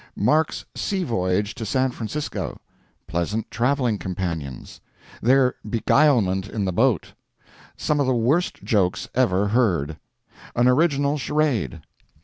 Mark's Sea Voyage to San Francisco—Pleasant Traveling Companions. Their "Beguilement in the Boat"— Some of the Worst Jokes Ever Heard. An Original Charade.